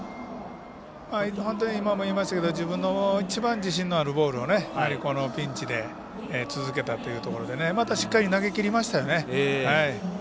今も言いましたが自分の一番自信のあるボールをこのピンチで続けたというところでしっかり投げきりましたよね。